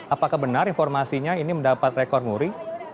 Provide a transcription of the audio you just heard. apakah benar informasinya ini mendapat rekor muri